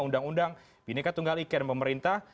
undang undang bineca tunggal ika dan pemerintah